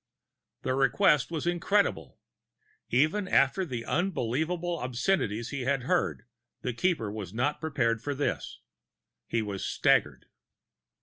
The request was incredible. Even after the unbelievable obscenities he had heard, the Keeper was not prepared for this; he was staggered.